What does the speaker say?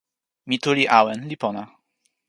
mi tu li awen li pona.